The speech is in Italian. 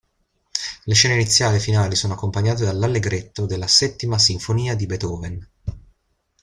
Le scene iniziali e finali sono accompagnate dall'Allegretto della settima sinfonia di Beethoven.